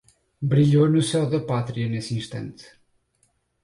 Brilhou no céu da Pátria nesse instante